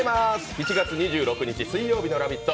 ７月２６日水曜日の「ラヴィット！」